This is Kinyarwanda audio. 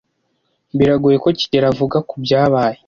Biragoye ko kigeli avuga kubyabaye.